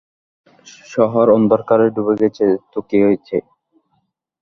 শহর অন্ধকারে ডুবে আছে তো কী হয়েছে?